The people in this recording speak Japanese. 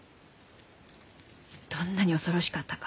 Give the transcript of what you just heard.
どんなに恐ろしかったか。